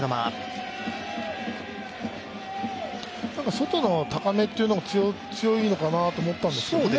外の高めっていうのが強いのかなって思ったんですけどね